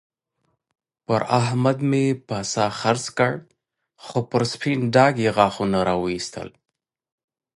پر احمد مې پسه خرڅ کړ؛ خو پر سپين ډاګ يې غاښونه را واېستل.